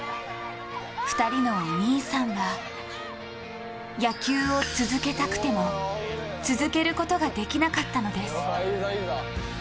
２人のお兄さんは野球を続けたくても続けることができなかったのです。